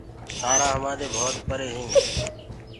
تآرآ همآدي بهوت پري هينٚ